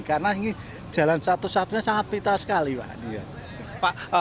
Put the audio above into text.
karena ini jalan satu satunya sangat vital sekali pak